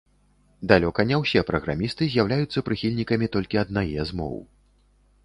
Далёка не ўсе праграмісты з'яўляюцца прыхільнікамі толькі аднае з моў.